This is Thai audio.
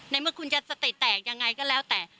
เมื่อคุณจะสติแตกยังไงก็แล้วแต่